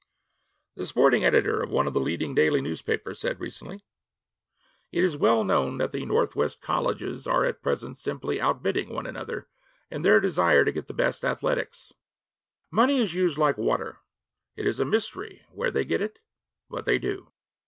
The sporting editor of one of the leading daily papers said recently, 'It is well known that the Northwest colleges are at present simply outbidding one another in their desire to get the best athletes. Money is used like water. It is a mystery where they get it, but they do.'